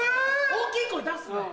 大きい声出すなよ。